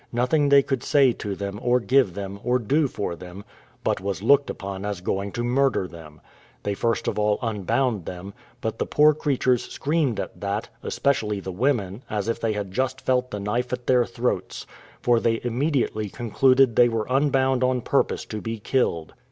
Nothing they could say to them, or give them, or do for them, but was looked upon as going to murder them. They first of all unbound them; but the poor creatures screamed at that, especially the women, as if they had just felt the knife at their throats; for they immediately concluded they were unbound on purpose to be killed.